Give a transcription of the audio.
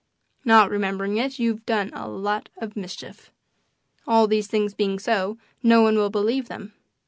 Not remembering it, you've done a lot of mischief. All these things being so, no one will believe them.